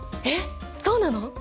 えっそうなの！？